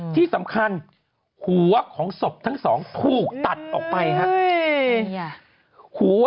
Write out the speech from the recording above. ที่สำคัญหัวของศพทั้งสองถูกตัดออกไปครับ